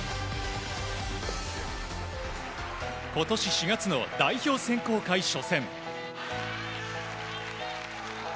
今年４月の代表選考会初戦。